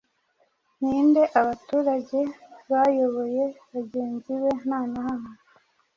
Ninde abaturage bayoboye Bagenzi be nta na hamwe